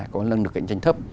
có năng lực cạnh tranh thấp